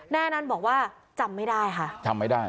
แน่นั่นบอกว่าจำไม่ได้ค่ะ